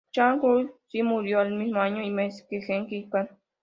Changchun zi murió el mismo año y mes que Gengis Kan.